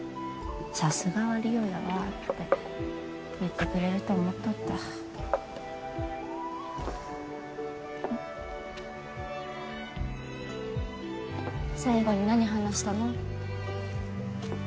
さすがは梨央やわ」って言ってくれると思っとった最後に何話したの？